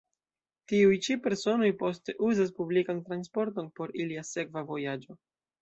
Tiuj ĉi personoj poste uzas publikan transporton por ilia sekva vojaĝo.